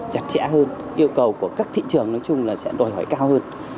chặt chẽ hơn yêu cầu của các thị trường nói chung là sẽ đòi hỏi cao hơn